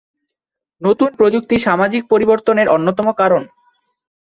নতুন প্রযুক্তি সামাজিক পরিবর্তনের অন্যতম কারণ।